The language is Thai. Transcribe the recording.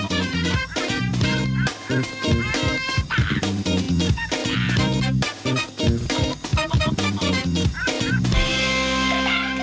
โปรดติดตามตอนต่อไป